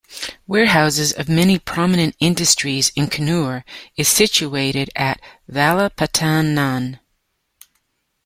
Warehouses of many prominent industries in Kannur is situated at Valapattanam.